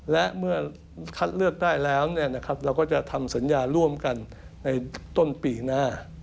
และเมื่อคัดเลือกได้แล้วเราก็จะทำสัญญาร่วมกันในต้นปีหน้า